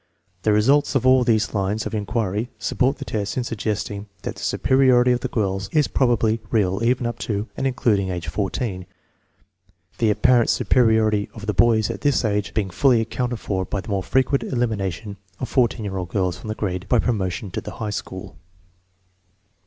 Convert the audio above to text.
The results of all these lines of inquiry support the tests in suggesting that the superiority of the girls is probably real even up to and in cluding age 14, the apparent superiority of the boys at this age being fully accounted for by the more frequent elimination of 14 year old girls from the grades by promo tion to the high school.